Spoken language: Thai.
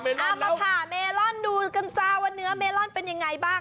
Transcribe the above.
เอามาผ่าเมลอนดูกันซะว่าเนื้อเมลอนเป็นยังไงบ้าง